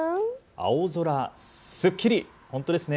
青空すっきり、本当ですね。